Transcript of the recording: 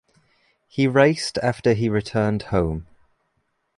He raced after he returned home.